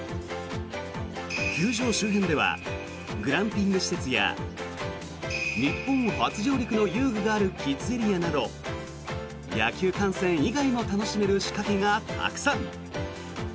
球場周辺ではグランピング施設や日本初上陸の遊具があるキッズエリアなど野球観戦以外も楽しめる仕掛けがたくさん。